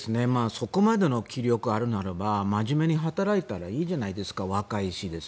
そこまでの気力があるならば真面目に働いたらいいじゃないですか、若いし。